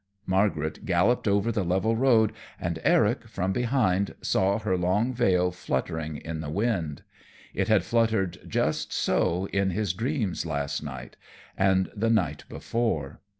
Margaret galloped over the level road, and Eric, from behind, saw her long veil fluttering in the wind. It had fluttered just so in his dreams last night and the night before.